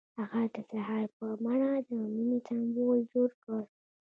هغه د سهار په بڼه د مینې سمبول جوړ کړ.